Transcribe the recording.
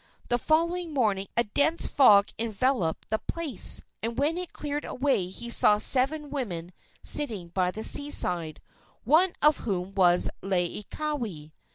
The following morning a dense fog enveloped the place, and when it cleared away he saw seven women sitting by the seaside, one of whom was Laieikawai.